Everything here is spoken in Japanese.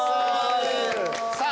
さあ